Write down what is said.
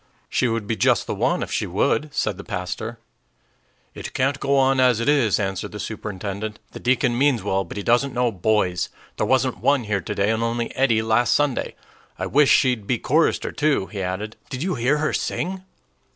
"She would be just the one if she would," said the pastor. "It can't go on as it is," answered the superintendent. "The deacon means well, but he doesn't know boys. There wasn't one here today, and only Eddie last Sunday. I wish she'd be chorister, too," he added. "Did you hear her sing?"